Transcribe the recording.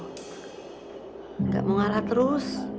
nggak mau ngarah terus